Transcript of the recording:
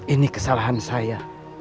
ini kesalahan saya